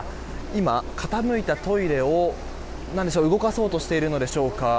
今、傾いたトイレを動かそうとしているのでしょうか